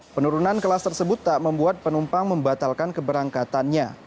penurunan kelas tersebut tak membuat penumpang membatalkan keberangkatannya